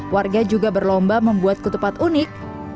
warga juga berlomba membuat ketupat unik